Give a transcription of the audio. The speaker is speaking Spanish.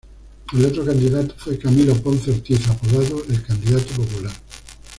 El otro candidato fue Camilo Ponce Ortiz, apodado "El Candidato Popular".